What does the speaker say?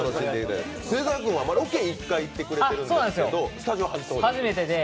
末澤君はロケ１回行ってもらってるんですけど、スタジオ初めて？